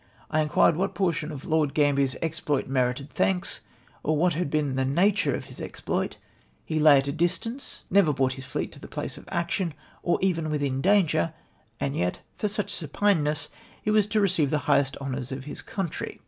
I inquired what portion of Lord Gambler's exploit merited thanks, or what had been the nature of his exploit ? He lay at a distance — never brought his fleet to the place of action, or even Avithin danger, and yet for such supineness he was to receive the highest honoiu^s of his country